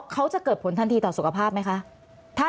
เขาจะเกิดผลทันทีต่อสุขภาพไหมคะ